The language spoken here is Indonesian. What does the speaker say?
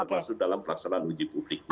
termasuk dalam pelaksanaan uji publiknya